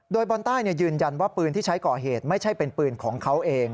โดยบอลใต้ยืนยันว่าปืนที่ใช้ก่อเหตุไม่ใช่เป็นปืนของเขาเอง